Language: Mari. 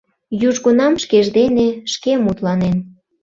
Южгунам шкеж дене шке мутланен.